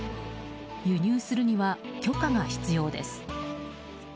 輸入するには許可が必要です。